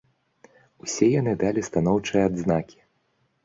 Усе яны далі станоўчыя адзнакі.